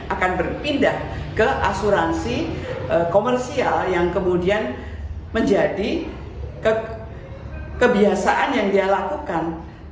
akan berpindah ke asuransi komersial yang kemudian menjadi kebiasaan yang dia lakukan